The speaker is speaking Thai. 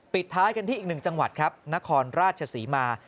ปิดท้ายกันที่อีก๑จังหวัดครับนครราชศรีมา